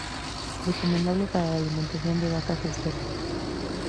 Recomendable para la alimentación de vacas lecheras.